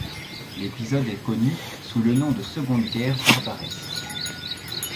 L'épisode est connu sous le nom de seconde guerre barbaresque.